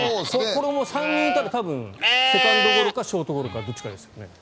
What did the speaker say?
これも３人いたら、多分セカンドゴロかショートゴロかどっちかですよね。